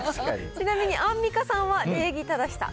ちなみにアンミカさんは礼儀正しさ。